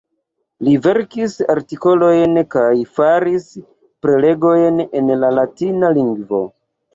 Li verkis artikolojn kaj faris prelegojn en la latina lingvo.